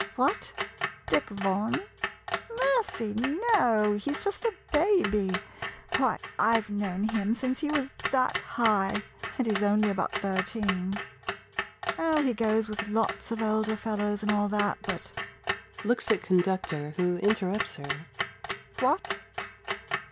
What, Dick Vaughan — mercy! no — he 's just a baby — why, I 've known him 5' MODERN MONOLOGUES since he was that high — and he 's only about thirteen — Oh, he goes with lots of older fel lows and all that, but — [Looks at conductor, who interrupts her.] What?